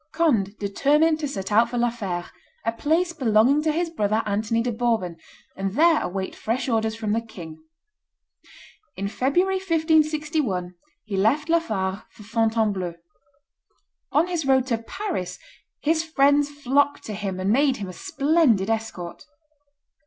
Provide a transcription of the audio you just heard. Conde determined to set out for La Fere, a place belonging to his brother Anthony de Bourbon, and there await fresh orders from the king. In February, 1561, he left La Fare for Fontainebleau. On his road to Paris his friends flocked to him and made him a splendid escort.